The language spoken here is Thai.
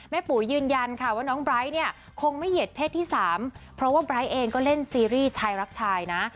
ปู่ยืนยันค่ะว่าน้องไบร์ทเนี่ยคงไม่เหยียดเพศที่๓เพราะว่าไบร์ทเองก็เล่นซีรีส์ชายรักชายนะ